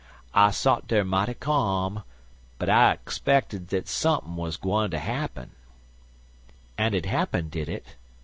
I sot dar mighty ca'm, but I 'spected dat sump'n' wuz gwine ter happ'n." "And it happened, did it?"